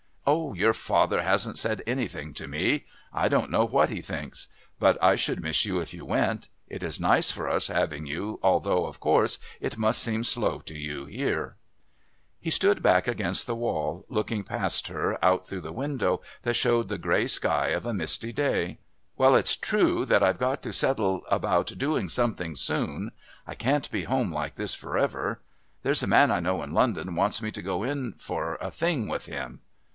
"Oh, your father hasn't said anything to me. I don't know what he thinks. But I should miss you if you went. It is nice for us having you, although, of course, it must seem slow to you here." He stood back against the wall, looking past her out through the window that showed the grey sky of a misty day. "Well, it's true that I've got to settle about doing something soon. I can't be home like this for ever. There's a man I know in London wants me to go in for a thing with him...."